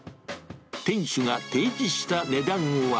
店主が提示した値段は。